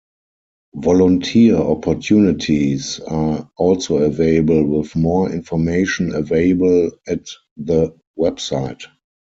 Volunteer opportunities are also available with more information available at the website.